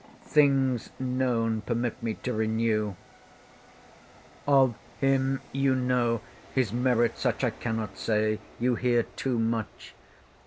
— Things known permit me to renew— Of him you know his merit such, I cannot say—you hear—too much.